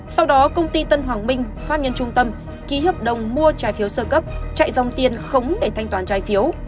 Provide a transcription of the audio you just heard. sau đó công ty tân hoàng minh pháp nhân trung tâm ký hợp đồng mua trái phiếu sơ cấp chạy dòng tiền khống để thanh toán trái phiếu